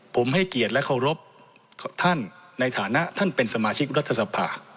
ผมให้เกียรติและเคารพท่านในฐานะท่านเป็นสมาชิกรัฐสภา